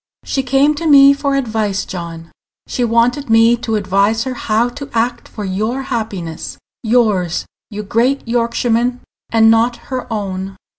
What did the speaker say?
"She came to me for advice, John. She wanted me to advise her how to act for your happiness yours, you great Yorkshireman, and not her own."